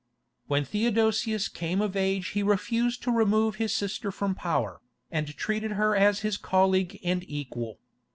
When Theodosius came of age he refused to remove his sister from power, and treated her as his colleague and equal.